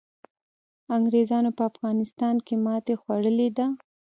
انګریزانو په افغانستان کي ماتي خوړلي ده.